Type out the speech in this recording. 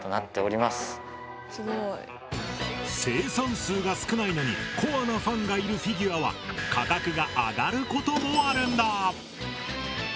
生産数が少ないのにコアなファンがいるフィギュアは価格が上がることもあるんだ。